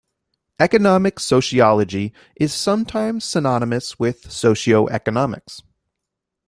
Economic sociology is sometimes synonymous with socioeconomics.